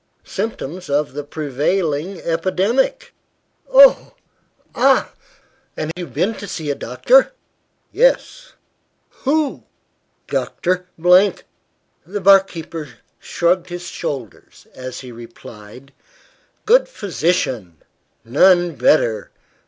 "Symptoms of the prevailing epidemic." "Oh! Ah! And you've been to see a doctor?" "Yes." "Who?" "Doctor " The bar keeper shrugged his shoulders, as he replied "Good physician. None better.